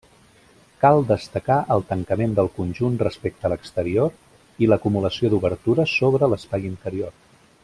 Cal destacar el tancament del conjunt respecte l'exterior i l'acumulació d'obertures sobre l'espai interior.